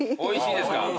おいしいですか。